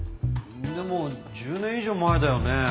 でも１０年以上前だよね。